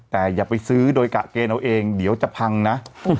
แต่อย่าไปซื้อโดยกะเกณฑ์เอาเองเดี๋ยวจะพังนะ